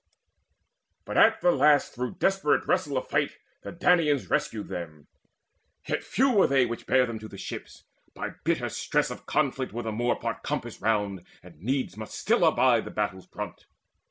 But at the last through desperate wrestle of fight The Danaans rescued them: yet few were they Which bare them to the ships: by bitter stress Of conflict were the more part compassed round, And needs must still abide the battle's brunt.